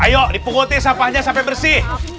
ayo dipungutin sampahnya sampai bersih